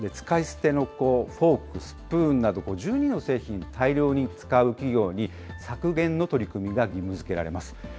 使い捨てのフォーク、スプーンなど、１２の製品、大量に使う企業に、削減の取り組みが義務づけられます。